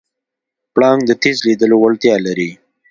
پړانګ د تېز لیدلو وړتیا لري.